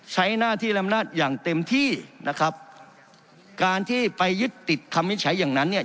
ใช้หน้าที่ลำนาจอย่างเต็มที่นะครับการที่ไปยึดติดคำวิจัยอย่างนั้นเนี่ย